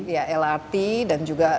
ya lrt dan juga